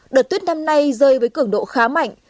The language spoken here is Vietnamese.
đợt tuyết năm nay rơi với cường độ khá mạnh